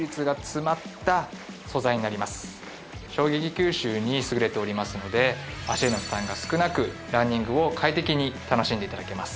衝撃吸収に優れておりますので足への負担が少なくランニングを快適に楽しんでいただけます